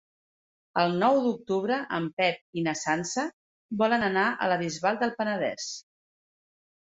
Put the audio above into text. El nou d'octubre en Pep i na Sança volen anar a la Bisbal del Penedès.